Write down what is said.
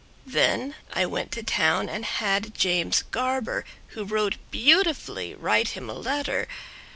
Then I went to town and had James Garber, Who wrote beautifully, write him a letter.